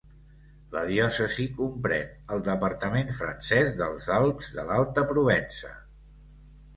La diòcesi comprèn el departament francès dels Alps de l'Alta Provença.